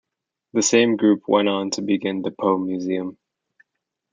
The same group went on to begin the Poe Museum.